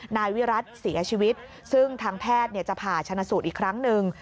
นายวิรัติเสียชีวิตซึ่งทางแพทย์จะผ่าชนะสูตรอีกครั้งหนึ่ง